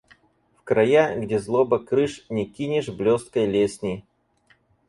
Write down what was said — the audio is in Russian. В края, где злоба крыш, не кинешь блесткой лесни.